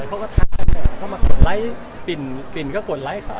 เขาก็ถามเขามากดไลค์ปินก็กดไลค์